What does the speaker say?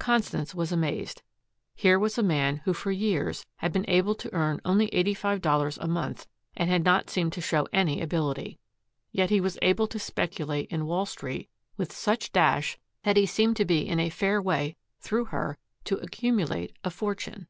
Constance was amazed. Here was a man who for years had been able to earn only eighty five dollars a month and had not seemed to show any ability. Yet he was able to speculate in Wall Street with such dash that he seemed to be in a fair way, through her, to accumulate a fortune.